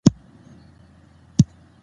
ایا تاسو د خپلو موخو تعقیب کوئ؟